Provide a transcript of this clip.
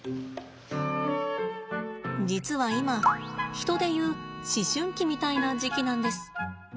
実は今人でいう思春期みたいな時期なんです。